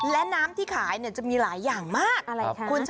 และน้ำที่ขายจะมีหลายอย่างมาก